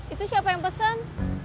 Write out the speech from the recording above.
itu siapa yang pesen